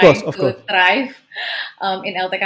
jadi saya pikir kita sudah membicarakan